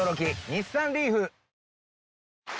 日産リーフ！